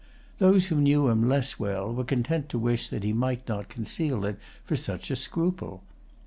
Those who knew him less well were content to wish that he might not conceal it for such a scruple.